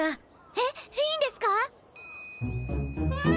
えっいいんですか？